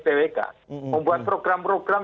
twk membuat program program